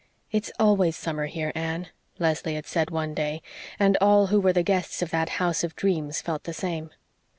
"It's always summer here, Anne," Leslie had said one day; and all who were the guests of that house of dreams felt the same.